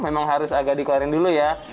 memang harus agak dikeluarin dulu ya